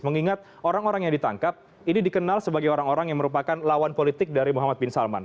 mengingat orang orang yang ditangkap ini dikenal sebagai orang orang yang merupakan lawan politik dari muhammad bin salman